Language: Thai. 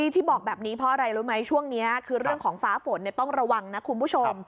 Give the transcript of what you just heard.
ที่บอกแบบนี้เพราะอะไรรู้ไหมช่วงนี้คือเรื่องของฟ้าฝนต้องระวังนะคุณผู้ชม